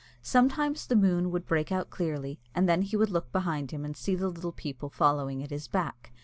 Sometimes the moon would break out clearly, and then he would look behind him and see the little people following at his back.